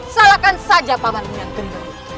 salahkan saja pamanmu yang gendut